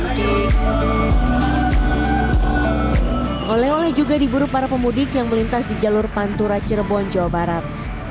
oleh oleh juga diburu para pemudik yang melintas di jalur pantura cirebon jawa barat